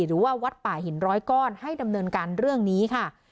หรือว่าวัดป่าหินร้อยก้อนให้ดำเนินการเรื่องนี้ค่ะ